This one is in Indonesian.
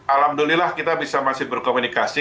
alhamdulillah kita masih bisa berkomunikasi